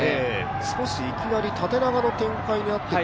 少しいきなり縦長の展開になって。